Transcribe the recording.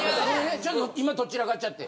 ちょっと今とっちらかっちゃって。